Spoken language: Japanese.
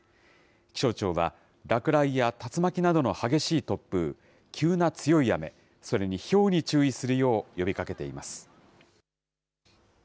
気象庁は、落雷や竜巻などの激しい突風、急な強い雨、それにひょうに注意するよう呼びかけています。